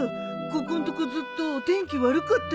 ここんとこずっとお天気悪かったよね。